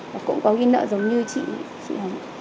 và cũng có ghi nợ giống như chị hồng